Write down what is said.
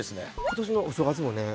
今年のお正月もね